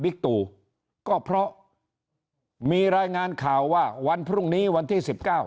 บิกตูก็เพราะมีรายงานข่าวว่าวันพรุ่งนี้วันที่๑๙